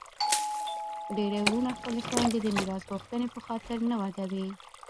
ډیری وروڼه خپلي خویندي د میراث غوښتني په خاطر نه ودوي.